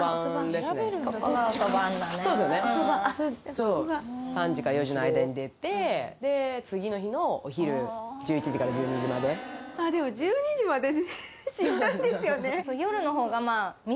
そう３時から４時の間に出てで次の日のお昼１１時から１２時まであっでも１２時までしんどいですよね